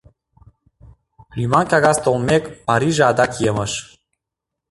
Лӱман кагаз толмек, марийже адак йымыш.